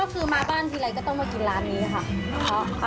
ก็คือมาบ้านทีไรก็ต้องมากินร้านนี้ค่ะ